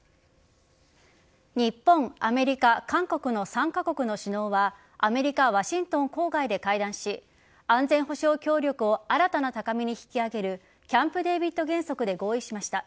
日本、アメリカ、韓国の３カ国の首脳はアメリカ・ワシントン郊外で会談し安全保障協力を新たな高みに引き上げるキャンプデービッド原則で合意しました。